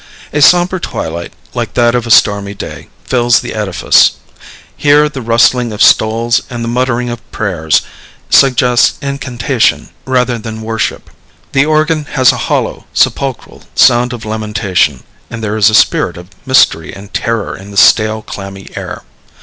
A sombre twilight, like that of a stormy day, fills the edifice. Here the rustling of stoles and the muttering of prayers suggest incantation rather than worship; the organ has a hollow, sepulchral sound of lamentation; and there is a spirit of mystery and terror in the stale, clammy air.